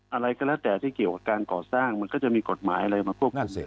อะไรก็แล้วแต่ที่เกี่ยวกับการก่อสร้างมันก็จะมีกฎหมายอะไรมาพวกนั้นเสพ